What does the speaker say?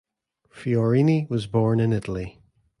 Fiorini was born in Italy.